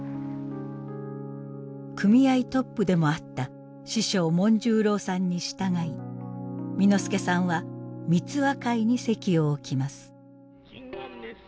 組合トップでもあった師匠紋十郎さんに従い簑助さんは三和会に籍を置きます。